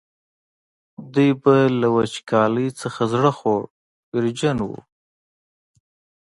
دوی به له وچکالۍ نه زړه خوړ ویرجن وو.